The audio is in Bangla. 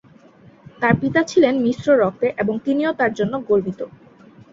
তার পিতা ছিলেন মিশ্র রক্তের এবং তিনিও তার জন্য গর্বিত।